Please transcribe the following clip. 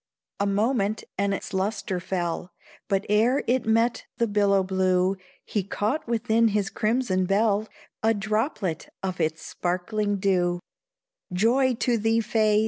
A moment and its lustre fell, But ere it met the billow blue, He caught within his crimson bell, A droplet of its sparkling dew Joy to thee, Fay!